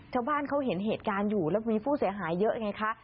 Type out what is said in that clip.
ชาวบ้านเขาเห็นเหตุการณ์อยู่แล้วมีผู้เสียหายเยอะไงคะ